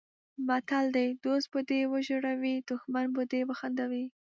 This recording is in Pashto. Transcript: متل دی: دوست به دې وژړوي دښمن به دې وخندوي.